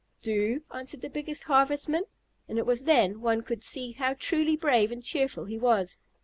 "Do?" answered the biggest Harvestman, and it was then one could see how truly brave and cheerful he was.